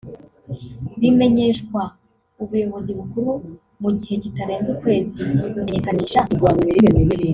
rimenyeshwa Ubuyobozi Bukuru mu gihe kitarenze ukwezi imenyekanisha rikozwe